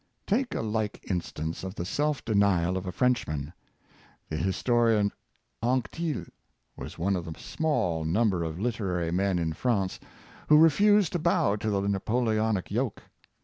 Take a like instance of the self denial ot a French man. The historian Anquetil was one of the small number of literary men in France who refused to bow to the Napoleonic yoke.